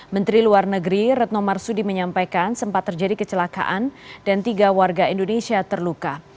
menteri luar negeri retno marsudi menyampaikan sempat terjadi kecelakaan dan tiga warga indonesia terluka